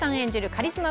カリスマ